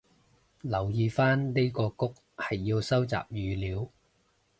留意返呢個谷係要收集語料